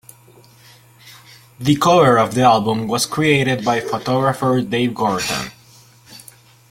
The cover for the album was created by photographer Dave Gorton.